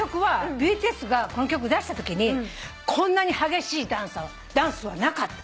ＢＴＳがこの曲出したときにこんなに激しいダンスはなかった。